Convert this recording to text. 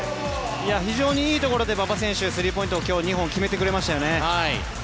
非常にいいところで馬場選手はスリーポイントを今日２本決めてくれましたよね。